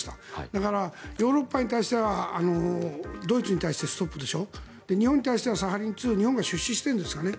だから、ヨーロッパに対してはドイツに対してストップでしょ日本に対してはサハリン２日本が出資しているんでしょうかね。